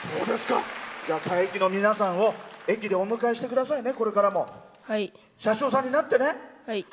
佐伯の皆さんを駅でお迎えしてくださいね。